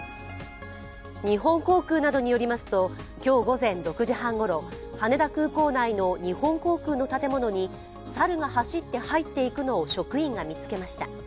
日本航空などによりますと、今日午前６時半ごろ羽田空港内の日本航空の建物に猿が走って入っていくのを職員が見つけました。